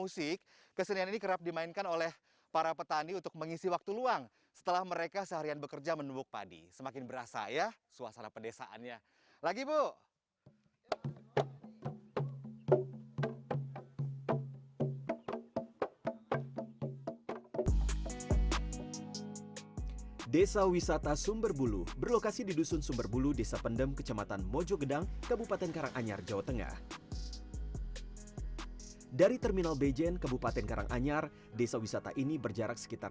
sampai jumpa di video selanjutnya